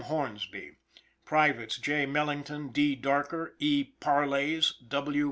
Hornsby: Privates J. Mellington, D. Darker, E. Parelays, W.